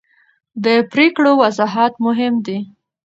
د پرېکړو وضاحت مهم دی